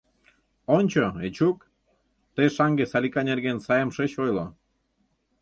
Ончо, Эчук, тый шаҥге Салика нерген сайым шыч ойло.